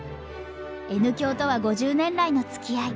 Ｎ響とは５０年来のつきあい。